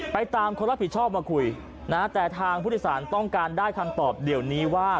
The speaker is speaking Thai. ตามคนรับผิดชอบมาคุยนะแต่ทางผู้โดยสารต้องการได้คำตอบเดี๋ยวนี้ว่า